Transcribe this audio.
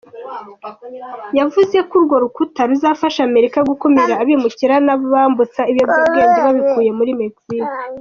Yavuze ko urwo rukuta ruzafasha Amerika gukumira abimukira n’abambutsa ibiyobyabwenge babikuye muri Mexique.